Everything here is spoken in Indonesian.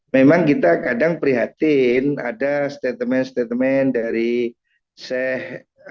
memang kita kadang prihatin ada statement statement dari seh pimpinan pesantren itu yang terlihatnya leneh ya tapi kan yalan itu belum tentu sesat ya